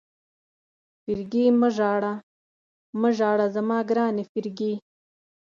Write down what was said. فرګي مه ژاړه، مه ژاړه زما ګرانې فرګي.